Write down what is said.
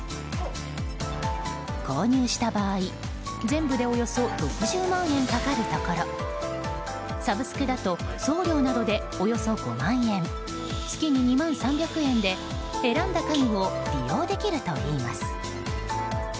購入した場合、全部でおよそ６０万円かかるところサブスクだと送料などでおよそ５万円月に２万３００円で選んだ家具を利用できるといいます。